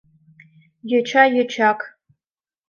Йоча — йочак.